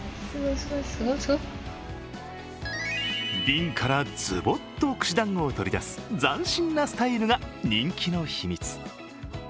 瓶からずぼっと串だんごを取り出す、斬新なスタイルが人気の秘密。